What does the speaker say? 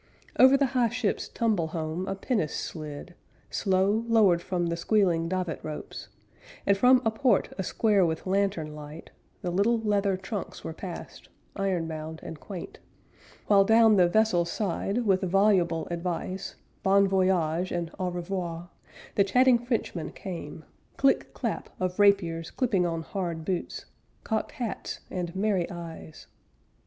Over the high ship's tumble home A pinnace slid, Slow, lowered from the squealing davit ropes, And from a port a square with lantern light, The little, leather trunks were passed, Ironbound and quaint; while down the vessel's side With voluble advice, bon voyage and au revoir, The chatting Frenchmen came Click clap of rapiers clipping on hard boots, Cocked hats and merry eyes.